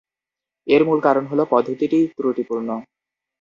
এর মূল কারণ হলো পদ্ধতিটিই ত্রুটিপূর্ণ।